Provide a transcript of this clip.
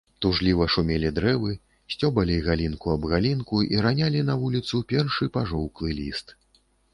Тужліва шумелі дрэвы, сцёбалі галінку аб галінку і ранялі на вуліцу першы пажоўклы ліст.